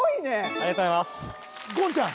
ありがとうございます言ちゃん